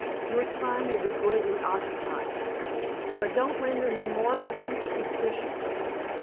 Your time will be greatly occupied. But, don't render him morbidly suspicious.